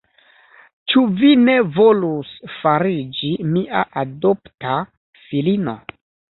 Ĉu vi ne volus fariĝi mia adopta filino?